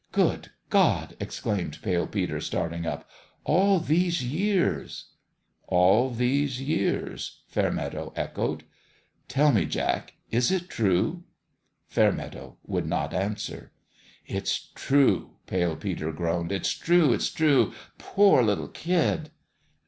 " Good God !" exclaimed Pale Peter, starting up. " All these years !"" All these years !" Fairmeadow echoed. THE END OF THE GAME 327 "Tell me, Jack is it true?" Fairmeadow would not answer. "It's true!" Pale Peter groaned. "It's true ! It's true ! Poor little kid